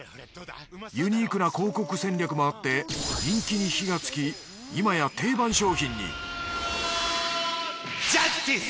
ユニークな広告戦略もあって人気に火がつき今や定番商品にジャスティス！